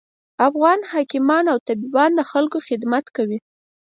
افغان حکیمان او طبیبان د خلکوخدمت کوي